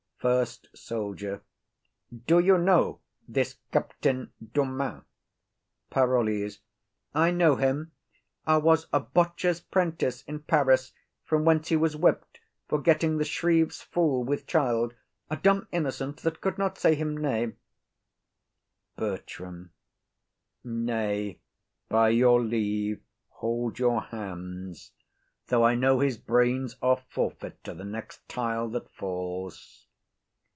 FIRST SOLDIER. Do you know this Captain Dumaine? PAROLLES. I know him: he was a botcher's 'prentice in Paris, from whence he was whipped for getting the shrieve's fool with child, a dumb innocent that could not say him nay. [First Lord lifts up his hand in anger.] BERTRAM. Nay, by your leave, hold your hands; though I know his brains are forfeit to the next tile that falls.